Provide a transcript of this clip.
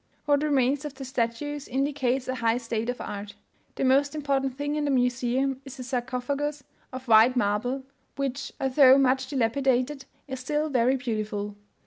What remains of the statues indicates a high state of art. The most important thing in the Museum is a sarcophagus of white marble, which, although much dilapidated, is still very beautiful.